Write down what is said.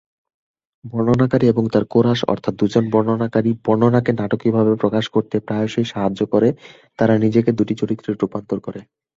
বর্ণনাকারী এবং তাঁর কোরাস অর্থাৎ দুজন বর্ণনাকারী-বর্ণনাকে নাটকীয়ভাবে প্রকাশ করতে প্রায়শই সাহায্য করে, তারা নিজেকে দুটি চরিত্রে রূপান্তর করে।